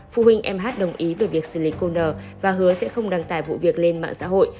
phụ huynh em h đồng ý về việc xử lý cô n và hứa sẽ không đăng tải vụ việc lên mạng xã hội